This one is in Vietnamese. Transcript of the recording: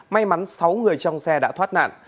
may mắn sáu người trong xe đã thoát nạn